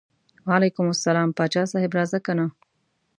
وعلیکم السلام پاچا صاحب راځه کنه.